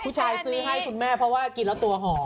ซื้อให้คุณแม่เพราะว่ากินแล้วตัวหอม